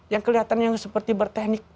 yang kelihatannya seperti berteknik